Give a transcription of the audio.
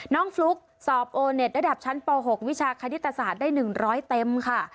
น้องฟลุ๊กสอบโอนิทวิชาคณิตศาสตร์ได้ร้อยเต็มค่ะ